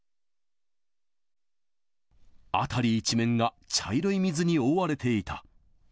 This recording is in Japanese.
辺り一面が茶色い水に覆われていた。